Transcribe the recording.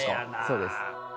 そうです